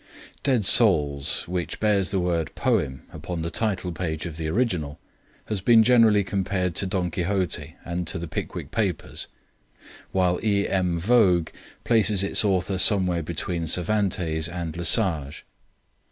Dead Souls, which bears the word "Poem" upon the title page of the original, has been generally compared to Don Quixote and to the Pickwick Papers, while E. M. Vogue places its author somewhere between Cervantes and Le Sage.